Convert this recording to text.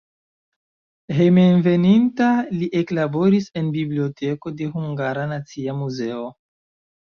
Hejmenveninta li eklaboris en biblioteko de Hungara Nacia Muzeo.